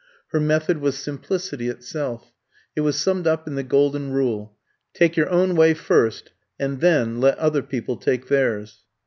Her method was simplicity itself. It was summed up in the golden rule: Take your own way first, and then let other people take theirs.